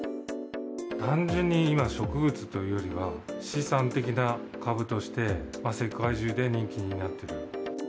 単純に今、植物というよりは、資産的な株として、世界中で人気になっている。